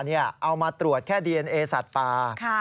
เอามาตรวจแค่ดีเอนเอสัตว์ป่า